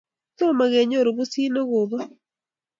Tomo kenyoru pusit ne kobot